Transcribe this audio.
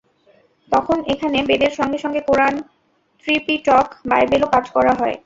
তখন এখানে বেদের সঙ্গে সঙ্গে কোরআন, ত্রিপিটক, বাইবেলও পাঠ করা হয়।